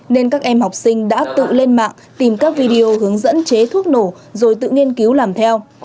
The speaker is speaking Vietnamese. nên các em học sinh đã tự lên mạng tìm các video hướng dẫn chế thuốc nổ rồi tự nghiên cứu làm theo